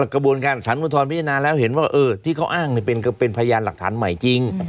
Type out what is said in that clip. กระบวนการสารอุทธรณพิจารณาแล้วเห็นว่าที่เขาอ้างเป็นพยานหลักฐานใหม่จริง